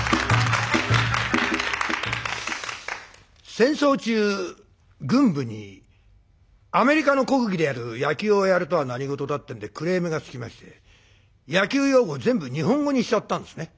戦争中軍部にアメリカの国技である野球をやるとは何事だってんでクレームがつきまして野球用語全部日本語にしちゃったんですね。